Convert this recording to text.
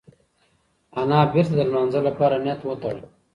انا بېرته د لمانځه لپاره نیت وتړل.